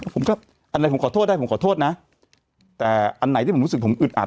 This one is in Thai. ผมก็อันไหนผมขอโทษได้ผมขอโทษนะแต่อันไหนที่ผมรู้สึกผมอึดอัด